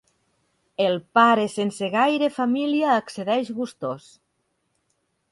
El pare sense gaire família accedeix gustós.